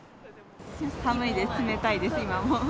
寒いです、冷たいです、今も。